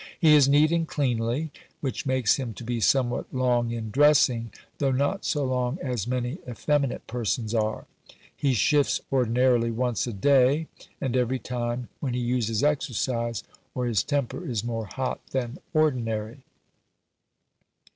He is neat and cleanly; which makes him to be somewhat long in dressing, though not so long as many effeminate persons are. He shifts ordinarily once a day, and every time when he uses exercise, or his temper is more hot than ordinary.